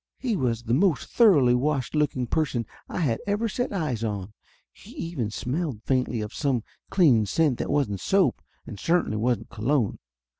He was the most thoroughly washed looking person I had ever set eyes on. He even smelled faintly of some clean scent that wasn't soap and certainly wasn't cologne.